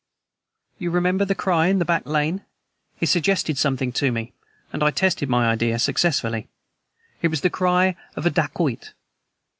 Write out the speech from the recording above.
"You remember the cry in the back lane? It suggested something to me, and I tested my idea successfully. It was the cry of a dacoit.